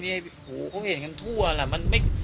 คนต่างแทยก็ทั่วทำงาน